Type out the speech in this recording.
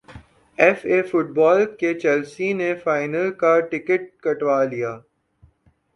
F A football cup Chelsea نے final کا ticket کٹوا لیا